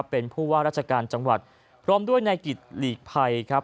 เป็นผู้ว่าราชการจังหวัดพร้อมด้วยนายกิจหลีกภัยครับ